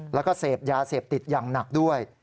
แล้วก็เสพยาเสพติดอย่างหนักด้วย